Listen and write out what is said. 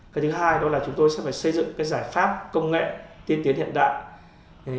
cái thứ hai đó là chúng tôi sẽ phải xây dựng cái giải pháp công nghệ tiên tiến hiện đại